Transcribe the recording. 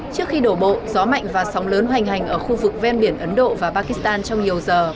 trước khi đổ bộ gió mạnh và sóng lớn hoành hành ở khu vực ven biển ấn độ và pakistan trong nhiều giờ